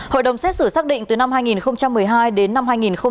hội đồng xét xử xác định từ năm hai nghìn một mươi hai đến năm hai nghìn một mươi bảy